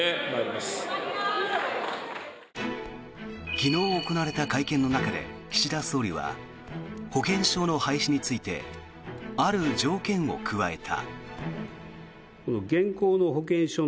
昨日行われた会見の中で岸田総理は保険証の廃止についてある条件を加えた。